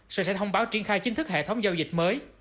sở sẽ thông báo triển khai chính thức hệ thống giao dịch mới